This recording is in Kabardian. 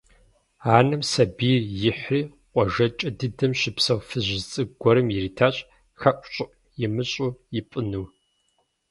Анэм сабийр ихьри къуажэкӀэ дыдэм щыпсэу фызыжь цӀыкӀу гуэрым иритащ хэӀущӀыӀу имыщӀу ипӀыну.